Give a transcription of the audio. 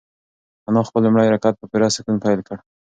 انا خپل لومړی رکعت په پوره سکون پیل کړ.